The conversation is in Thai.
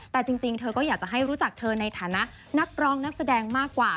แต่จริงเธอก็อยากจะให้รู้จักเธอในฐานะนักร้องนักแสดงมากกว่า